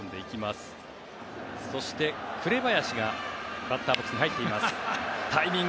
紅林がバッターボックスに入っています。